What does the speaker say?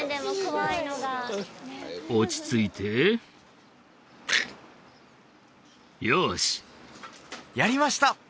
そんな落ち着いてガッよしやりました！